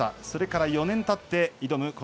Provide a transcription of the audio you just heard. それから４年たって挑む